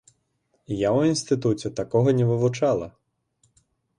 Я ў інстытуце такога не вывучала!